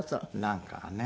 なんかねえ。